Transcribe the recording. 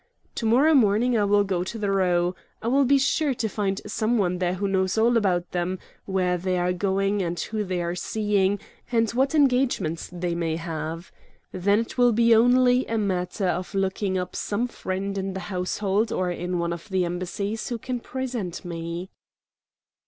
"To morrow morning I will go to the Row; I will be sure to find some one there who knows all about them where they are going, and who they are seeing, and what engagements they may have. Then it will only be a matter of looking up some friend in the Household or in one of the embassies who can present me."